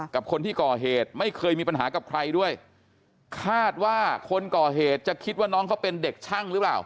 กับคนที่ก่อเหตุไม่เคยมีปัญหากับใครด้วยคาดว่าคนก่อเหตุจะคิดว่าน้องเขาเป็นเด็กช่างหรือเปล่า